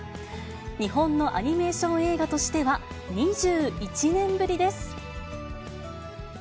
日本のアニメーション映画としては、２１年ぶりです。